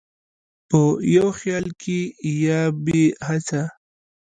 په یو خیال کې یا بې هېڅه،